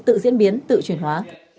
tự diễn biến tự chuyển hóa